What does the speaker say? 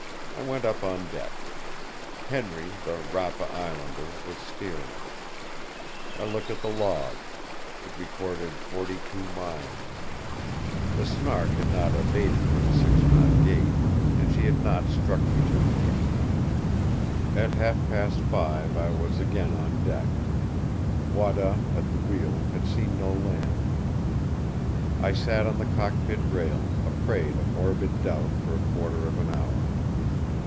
I went up on deck. Henry, the Rapa islander, was steering. I looked at the log. It recorded forty two miles. The Snark had not abated her six knot gait, and she had not struck Futuna yet. At half past five I was again on deck. Wada, at the wheel, had seen no land. I sat on the cockpit rail, a prey to morbid doubt for a quarter of an hour.